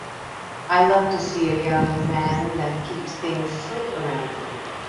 I love to see a young man that keeps things slick around him.